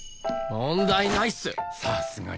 問題ないっす！